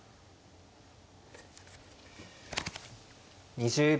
２０秒。